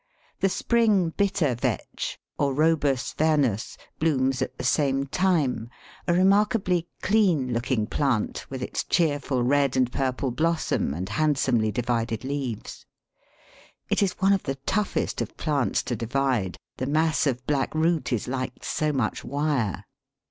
The spring Bitter vetch (Orobus vernus) blooms at the same time, a remarkably clean looking plant, with its cheerful red and purple blossom and handsomely divided leaves. It is one of the toughest of plants to divide, the mass of black root is like so much wire.